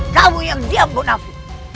kamu yang diam bonafi